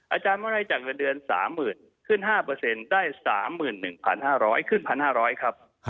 อาจารย์อะไรจากเงินเดือน๓๐๐๐๐ขึ้น๕เปอร์เซ็นต์ได้๓๑๕๐๐ขึ้น๑๕๐๐ครับ